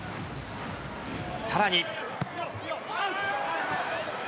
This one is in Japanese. さらに。